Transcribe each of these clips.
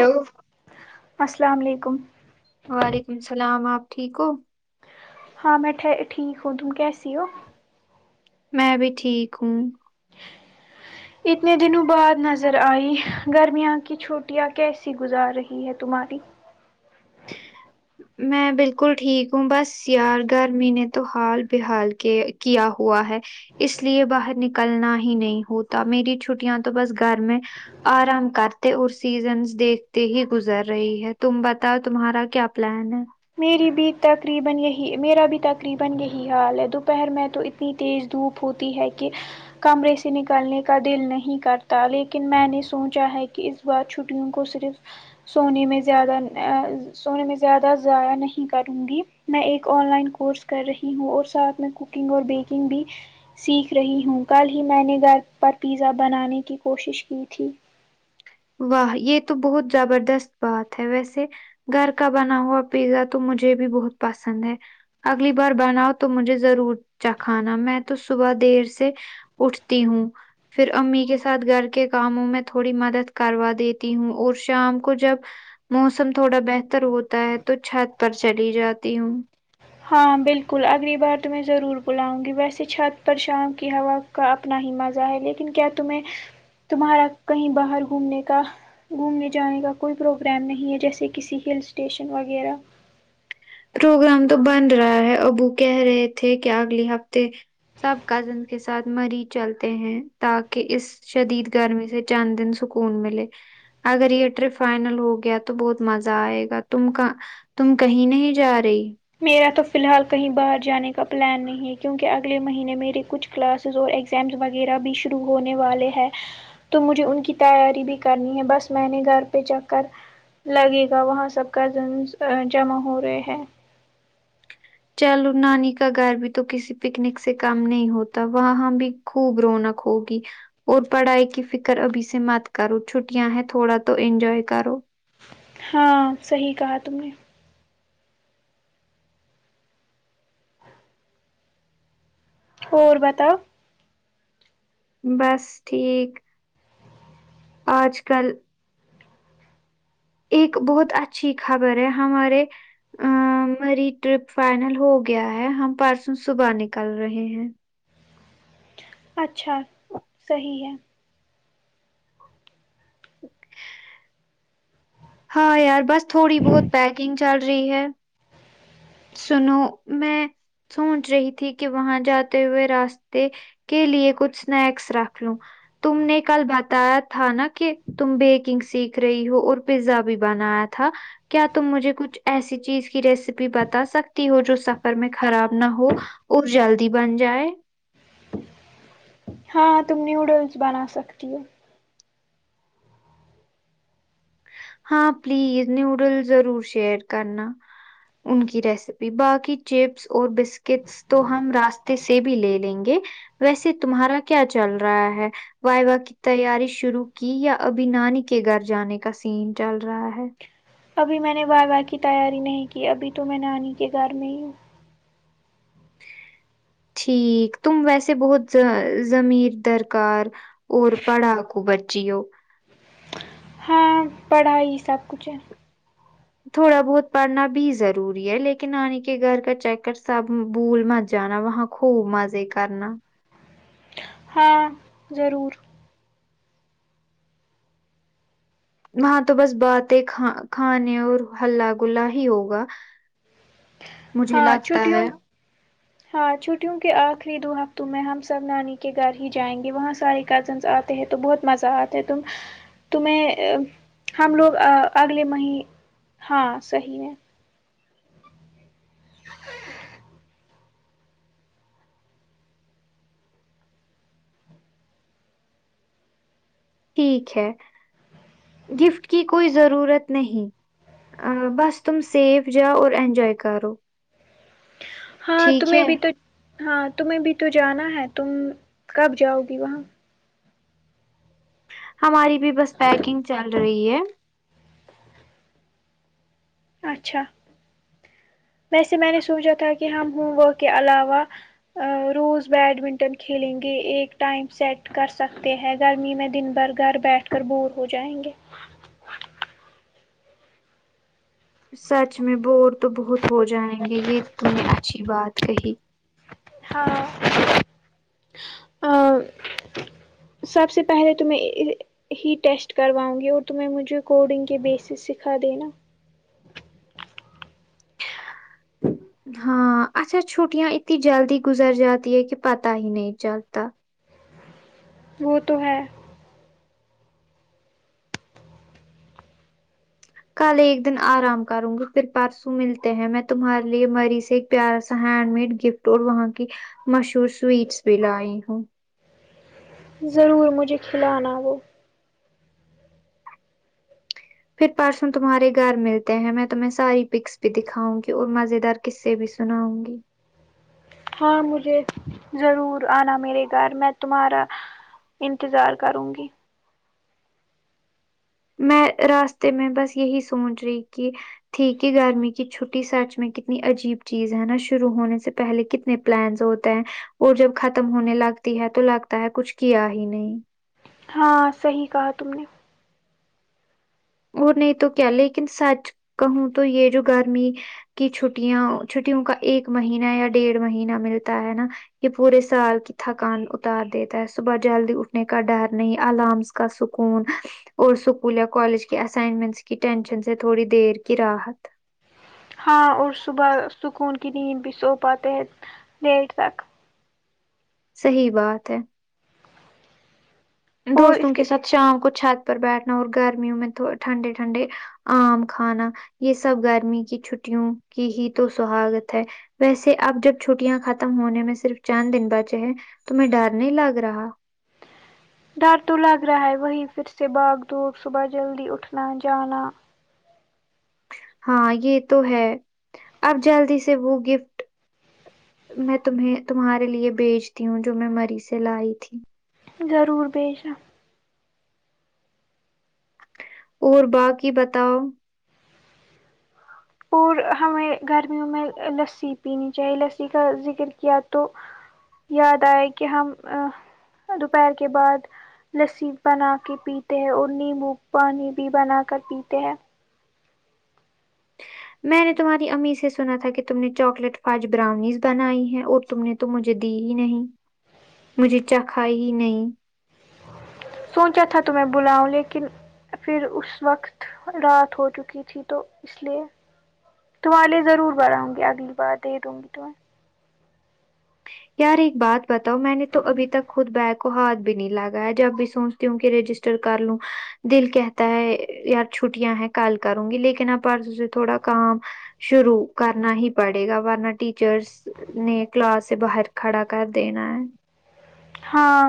hello السلام علیکم وعلیکم السلام آپ ٹھیک ہو ہاں میں ٹھیک ہوں تم کیسی ہو میں بھی ٹھیک ہوں اتنے دنوں بعد نظر آئی گرمیاں کی چھٹیاں کیسی گزار رہی ہے تمہاری میں بالکل ٹھیک ہوں بس یار گارمی نے تو حال بحال کے کیا ہوا ہے اس لیے باہر نکلنا ہی نہیں ہوتا میری چھٹیاں تو بس گھر میں آرام کرتے اور سیزنس دیکھتے ہی گزر رہی ہے تم بتاؤ تمہارا کیا پلان ہے میری بھی تقریبا یہی میرا بھی تقریبا یہی حال ہے دوپہر میں تو اتنی تیز دھوپ ہوتی ہے کہ کمرے سے نکلنے کا دل نہیں کرتا لیکن میں نے سوچا ہے کہ اس بعد چھٹیوں کو صرف سونے میں سونے میں زیادہ ضائع نہیں کروں گی میں ایک آن لائن کورس کر رہی ہوں اور ساتھ میں کوکنگ اور بیکنگ بھی سیکھ رہی ہوں کل ہی میں نے گھر پر پیزا بنانے کی کوشش کی تھی واہ یہ تو بہت زبردست بات ہے ویسے گھر کا بنا ہوا پیزا تو مجھے بھی بہت پسند ہے اگلی بار بناؤ تو مجھے ضرور چاکھانا میں تو صبح دیر سے اٹھتی ہوں پھر امی کے ساتھ گھر کے کاموں میں تھوڑی مدد کروا دیتی ہوں اور شام کو جب موسم تھوڑا بہتر ہوتا ہے تو چھت پر چلی جاتی ہوں ہاں بالکل اگلی بار تمہیں ضرور بلاؤں گی ویسے چھت پر شام کی ہوا کا اپنا ہی مزہ ہے لیکن کیا تمہیں تمہارا کہیں باہر گھومنے کا گھومنے جانے کا کوئی پروگرام نہیں ہے جیسے کسی ہل اسٹیشن وغیرہ پروگرام تو بن رہا ہے ابو کہہ رہے تھے کہ اگلے ہفتے سب کزن کے ساتھ مری چلتے ہیں تاکہ اس شدید گرمی سے چند دن سکون ملے اگر یہ ٹرپ فائنل ہو گیا تو بہت مزہ آئے گا تم تم کہیں نہیں جا رہی میرا تو فی الحال کہیں باہر جانے کا پلان نہیں ہے کیونکہ اگلے مہینے میرے کچھ کلاسز اور اگزامس وغیرہ بھی شروع ہونے والے ہیں تو مجھے ان کی تیاری بھی کرنی ہے بس میں نے گھر پہ چک کر لگے گا وہاں سب کزن جمع ہو رہے ہیں چلو نانی کا گھر بھی تو کسی پکنک سے کم نہیں ہوتا وہاں بھی خوب رونق ہوگی اور پڑھائی کی فکر ابھی سے مت کرو چھٹیاں ہیں تھوڑا تو انجوائے کرو ہاں صحیح کہا تم نے اور بتاؤ بس ٹھیک آج کل ایک بہت اچھی خبر ہے ہمارے ا میری ٹرپ فائنل ہو گیا ہے ہم پرسوں صبح نکل رہے ہیں اچھا صحیح ہے ہاں یار بس تھوڑی بہت پیکنگ چل رہی ہے سنو میں سوچ رہی تھی کہ وہاں جاتے ہوئے راستے کے لیے کچھ سنیکس رکھ لوں تم نے کل بتایا تھا نا کہ تم بیکنگ سیکھ رہی ہو اور پیزا بھی بنایا تھا کیا تم مجھے کچھ ایسی چیز کی ریسیپی بتا بتا سکتی ہو جو سفر میں خراب نہ ہو اور جلدی بن جائے ہاں تم نیوڈلس بنا سکتی ہو ہاں پلیز نیوڈل ضرور شیئر کرنا ان کی ریسیپی باقی چپس اور بسکٹس تو ہم راستے سے بھی لے لیں گے ویسے تمہارا کیا چل رہا ہے وائی واہ کی تیاری شروع کی یا ابھی نانی کے گھر جانے کا سین چل رہا ہے ابھی میں نے وائی واہ کی تیاری نہیں کی ابھی تو میں نانی کے گھر میں ہی ہوں ٹھیک تم ویسے بہت ز ضمیر درکار اور پڑا کو بچی ہو ہاں پڑھائی سب کچھ ہے تھوڑا بہت پڑھنا بھی ضروری ہے لیکن نانی کے گھر کا چکر سب بھول مت جانا وہاں خوب مزے کرنا ہاں ضرور ہاں تو بس باتیں کھا کھانے اور ہلہ گلا ہی ہوگا مجھے ہاں لگتا چھٹیوں ہے ہاں چھٹیوں کے آخری دو ہفتوں میں ہم سب نانی کے گھر ہی جائیں گے وہاں ساری کزنس آ تے ہے تو بہت مزہ آتا ہے تم تمہیں ہم لوگ اا اگلے مہی ہاں صحیح ہے [inaudible] ٹھیک ہے گفٹ کی کوئی ضرورت نہیں بس تم سیف جا اور اینجائے کرو ہاں ٹھیک تمہیں ہے بھی تو ہاں تمہیں بھی تو جانا ہے تم کب جاؤ گی وہاں ہماری بھی بس پیکنگ چل رہی ہے اچھا ویسے میں نے سوچا تھا کہ ہم ہوم ورک کے علاوہ روز بیڈمنٹن کھیلیں گے ایک ٹائم سیٹ کر سکتے ہیں گرمی میں دن بھر گھر بیٹھ کر بور ہو جائیں گے سچ میں بور تو بہت ہو جائیں گے یہ تم نے اچھی بات کہی ہاں اور سب سے پہلے تمہیں ہی ٹیسٹ کرواؤں گی اور تم مجھے کوڈنگ کے بیسس سکھا دینا ہاں اچھا چھٹیاں اتنی جلدی گزر جاتی ہے کہ پتا ہی نہیں چلتا وہ تو ہے کل ایک دن آرام کروں گی پھر پرسوں ملتے ہیں میں تمہارے لیے مری سے پیارا سا ہینڈ میڈ گفٹ اور وہاں کی مشہور سویٹس بھی لائی ہوں ضرور مجھے کھلانا وہ پھر پرسوں تمہارے گھر ملتے ہیں میں تمہیں ساری پکس بھی دکھاؤں گی اور مزے دار قصہ بھی سناؤں گی ہاں مجھے ضرور آنا میرے گھر میں تمہارا انتظار کروں گی میں راستے میں بس یہی سوچ رہی کہ تھی کہ گرمی کی چھٹی سچ میں کتنی عجیب چیز ہے نا شروع ہونے سے پہلے کتنے پلانس ہوتے ہیں اور جب ختم ہونے لگتی ہے تو لگتا ہے کچھ کیا ہی نہیں ہاں صحیح کہا تم نے اور نہیں تو کیا لیکن سچ کہوں تو یہ جو گرمی کہ چھٹیاں چھٹیوں کا ایک مہینہ یا ڈیڑھ مہینہ ملتا ہے نا یہ پورے سال کی تھکان اتار دیتا ہے صبح جلدی اٹھنے کا ڈر نہیں الارم کا سکون اور اسکول یا کالج کہ اسائنمنٹس کی ٹینشن سے تھوڑی دیر کی راحت ہاں اور صبح سکون کی نیند بھی سو پاتے ہیں لییر تک صحیح بات ہے اور اس دوستوں کے ساتھ شام کو چھت پر بیٹھنا اور گرمیوں میں تو ٹھنڈے ٹھنڈے آم کھانا یہ سب گرمی کی چھٹیوں کی ہی تو سہاگت ہے ویسے اب جب چھٹیاں ختم ہونے میں صرف چاند دن بچے ہیں تو میں ڈر نہیں لگ رہا [inaudible] ڈر تو لگ رہا ہے وہی پھر سے باغ دب صبح جلدی اٹھنا جانا ہاں یہ تو ہے اب جلدی سے وہ گفٹ میں تمہیں تمہارے لیے بھی بیچتی ہوں جو میں مریض سے لائی تھی ضرور بھیچنا اور باقی بتاؤ اور ہمیں گرمیوں میں لسی پینی چاہیے لسی کا ذکر کیا تو یاد آئے کہ ہم دوپہر کے بعد لسیب بنا کے پیتے ہیں اور نیمبو پانی بھی بنا کر پیتے ہیں میں نے تمہاری اممی سے سنا تھا کہ تم نے چاکلیٹ فاج براؤنیز بنائی ہے اور تم نے تو مجھے دی ہی نہیں مجھے چا کھائی ہی نہیں سوچا تھا تو میں بلاؤں لیکن پھر اس وقت رات ہو چکی تھی تو اس لئیے تمہارے لیے ضرور بناؤں گی اگلی بار دے دوں گی تمہیں یار ایک بات بتاؤ میں نے تو ابھی تک خود بیگ کو ہاتھ بھی نہیں لگا ہے جب بھی سوچ کیونکہ رجسٹر کر لوں دل کہتا ہے یار چھٹیاں ہیں کال کروں گی لیکن آپ تھوڑا کام شرو کرنا ہی پڑے گا ورنہ ٹیچرس نے کلاس سے باہر کھڑا کر دینا ہے ہاں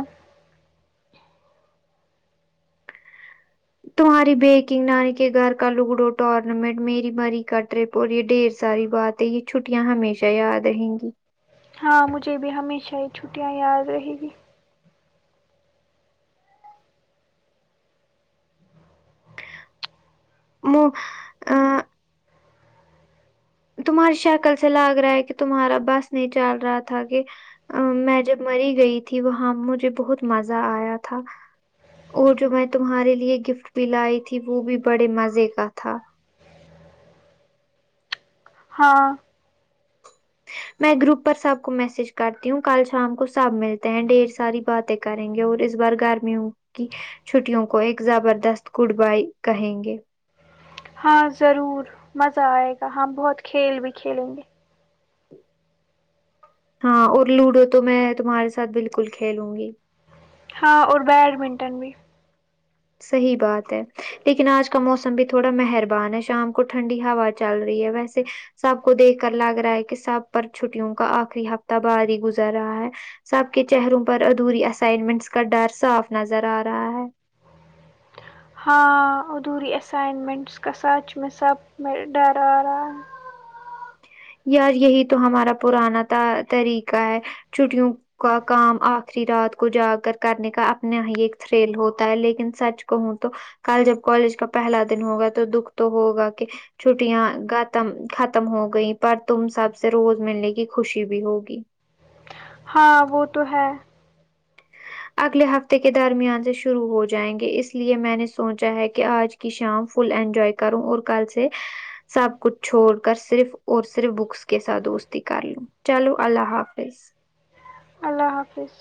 تمہاری بیکنگ نانی کے گھر کا لگڈو ٹورنامنٹ میری مری کا رپ اور یہ ڈھیر ساری بات ہے یہ چھٹیاں ہمیشہ یاد رہیں گی ہاں مجھے بھی ہمیشہ یہ چھٹیاں یاد رہے گی [unintelligible] تمہاری شکل سے لگ رہا ہے کہ تمہارا بس نہیں چل رہا تھا کہ ا میں جب مری گئی تھی وہاں مجھے بہت مزہ آیا تھا اور جو میں تمہارے لیے گفٹ بھی لائی تھی وہ بھی بڑے مزے کا تھا ہاں میں گروپ پر سب کو میسج کرتی ہوں کل شام کو سب ملتے ہیں ڈھیر ساری باتیں کریں گے اور اس بار گرمیوں کی چھٹیوں کو ایک زبردست گڈ بائی کہیں گے ہاں ضرور مزہ آئے گا ہم بہت کھیل بھی کھیلیں گے ہاں اور لوڈو تو میں تمہارے ساتھ بالکل کھیلوں گی ہاں اور بیڈمنٹن بھی صحیح بات ہے لیکن آج کا موسم بھی تھوڑا مہربان ہے شام کو ٹھنڈی ہوا چل رہی ہے ویسے سب کو دیکھ کر لگ رہا ہے کہ سب پر چھٹیوں کا آخری ہفتہ باری گزر رہا ہے سب کے چہروں پر ادھوری اسائنمنٹس کا ڈر صاف نظر آ رہا ہے ہاں ادھوری ایسائنمنٹس کا سات سبمٹ ڈر آرہا ہے یار یہی تو ہمارا پرانا طا طریقہ ہے چھٹیوں کا کام آخری رات کو جا کر کرنے کا اپنا ہی ایک تھریل ہوتا ہے لیکن سچ کہوں تو کل جب کالج کا پہلا دن ہوگا تو دکھ تو ہوگا کہ چھٹیاں گتم ختم ہو گئی پر تم سب سے روز ملنے کی خوشی بھی ہوگی ہاں وہ تو ہے اگلے ہفتے کے درمیان سے شروع ہو جائیں گے اس لیے میں نے سوچا ہے کہ آج کہ شام فل انجوائے کروں اور کل سے سب کچھ چھوڑ کر صرف اور صرف بکس کے ساتھ دوستی کر لوں چلو اللہ حافظ اللہ حافظ